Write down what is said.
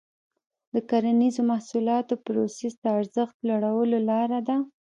د کرنیزو محصولاتو پروسس د ارزښت لوړولو لاره ده.